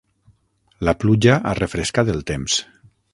La pluja ha refrescat el temps.